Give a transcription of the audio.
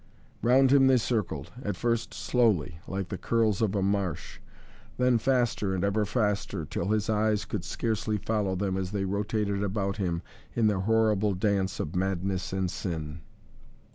Round him they circled, at first slowly, like the curls of a marsh, then faster and ever faster, till his eyes could scarcely follow them as they rotated about him in their horrible dance of madness and sin.